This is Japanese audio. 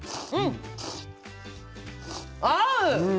合う！